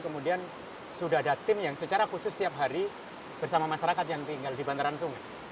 kemudian sudah ada tim yang secara khusus tiap hari bersama masyarakat yang tinggal di bantaran sungai